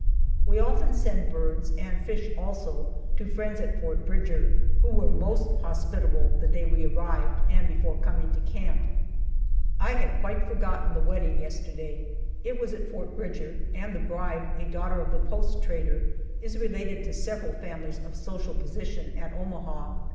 We often send birds, and fish also, to friends at Fort Bridger, who were most hospitable the day we arrived, and before coming to camp. I had quite forgotten the wedding yesterday! It was at Fort Bridger, and the bride, a daughter of the post trader, is related to several families of social position at Omaha.